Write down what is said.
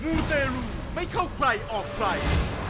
มูเตรลูไม่เข้าใครออกใคร